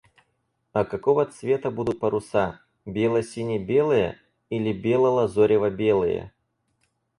А какого цвета будут паруса? Бело-сине-белые или бело-лазорево-белые?